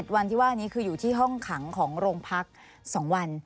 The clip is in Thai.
วันที่ว่านี้คืออยู่ที่ห้องขังของโรงพัก๒วัน